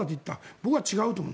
僕は違うと思う。